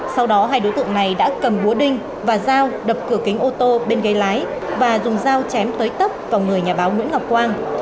sau đó hai đối tượng này đã cầm búa đinh và dao đập cửa kính ô tô bên ghế lái và dùng dao chém tới tấp vào người nhà báo nguyễn ngọc quang